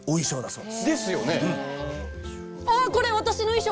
そう。